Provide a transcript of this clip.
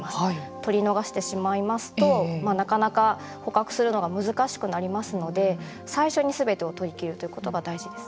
捕り逃してしまいますとなかなか捕獲するのが難しくなりますので最初にすべてを捕り切るということが大事です。